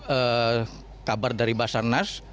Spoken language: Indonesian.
ada kabar dari basarnas